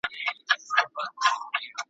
عمر تیر دننګیالي سو، ستا هجران هم دایمي سو